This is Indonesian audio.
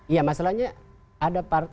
iya masalahnya ada part